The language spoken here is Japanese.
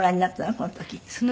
この時に。